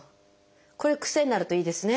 これ癖になるといいですね。